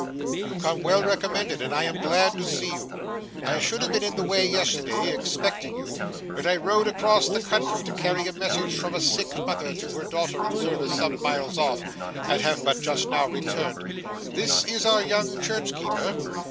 'You come well recommended, and I am glad to see you. I should have been in the way yesterday, expecting you, but I rode across the country to carry a message from a sick mother to her daughter in service some miles off, and have but just now returned. This is our young church keeper?